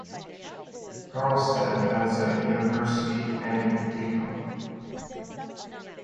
Karlstad has a university and a cathedral.